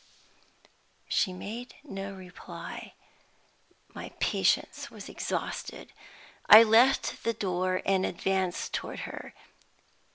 She made no reply. My patience was exhausted. I left the door and advanced toward her.